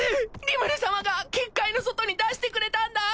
リムル様が結界の外に出してくれたんだ！